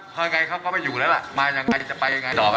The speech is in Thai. พอไงเขาก็ไม่อยู่แล้วล่ะมายังไงจะไปยังไงต่อไปล่ะ